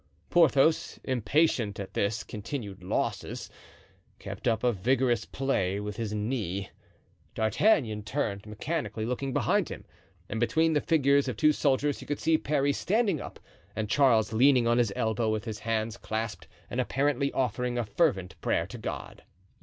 Porthos, impatient at his continued losses, kept up a vigorous play with his knee. D'Artagnan turned, mechanically looking behind him, and between the figures of two soldiers he could see Parry standing up and Charles leaning on his elbow with his hands clasped and apparently offering a fervent prayer to God.